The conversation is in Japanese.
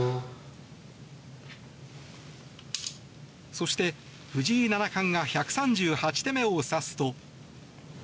そして、藤井七冠が１３８手目を指すと。